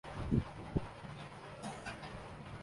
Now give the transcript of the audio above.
لیکن جب سے ان کے ماحول دشمن اثرات